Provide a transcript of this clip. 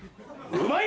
うまい。